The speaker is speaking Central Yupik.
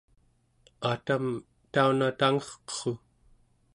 atam, tauna tangerqerru!